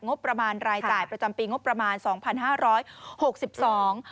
งบประมาณรายจ่ายประจำปีงบประมาณสองพันห้าร้อยหกสิบสอง